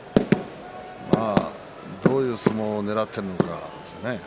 どういう相撲をねらっているのかですね。